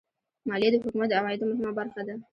مالیه د حکومت د عوایدو مهمه برخه ده.